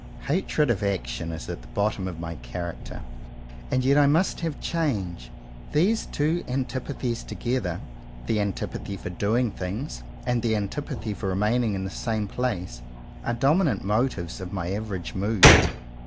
Hatred of action is at the bottom of my character. And yet I must have change. These two antipathies together, the an tipathy for doing things and the antipathy for remaining in the same place, are the dominant motives of my average mood.